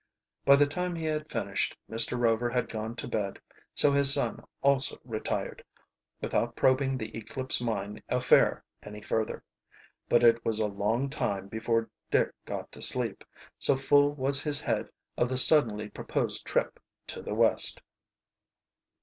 By the time he had finished, Mr. Rover had gone to bed, so his son also retired, without probing the Eclipse Mine affair any further. But it was a long time before Dick got to sleep, so full was his head of the suddenly proposed trip to the West.